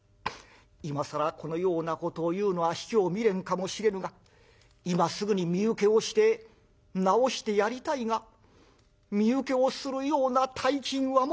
今更このようなことを言うのは卑怯未練かもしれぬが今すぐに身請けをして治してやりたいが身請けをするような大金は持ってないのだ」。